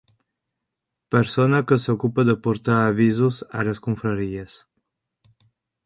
Persona que s'ocupa de portar avisos a les confraries.